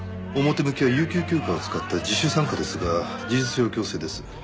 表向きは有給休暇を使った自主参加ですが事実上は強制です。